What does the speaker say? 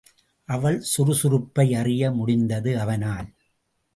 அவள் சுறுசுறுப்பை அறிய முடிந்தது அவனால்.